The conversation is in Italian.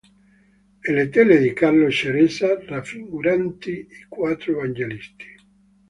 E le tele di Carlo Ceresa raffiguranti i quattro evangelisti.